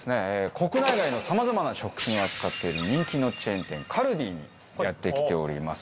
国内外のさまざまな食品を扱っている人気のチェーン店ＫＡＬＤＩにやって来ております。